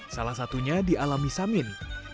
salah satunya dialami samin